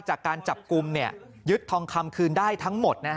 จากการจับกลุ่มยึดทองคำคืนได้ทั้งหมด